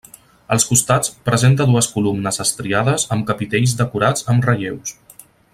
Als costats presenta dues columnes estriades amb capitells decorats amb relleus.